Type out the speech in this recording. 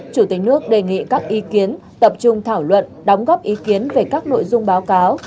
chủ tịch nước đề nghị các ý kiến tập trung thảo luận đóng góp ý kiến về các nội dung báo cáo